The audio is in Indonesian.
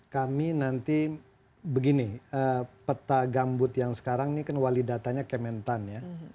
kami nanti begini peta gambut yang sekarang ini kan wali datanya kementan ya